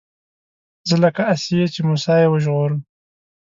زه لکه آسيې چې موسی يې وژغوره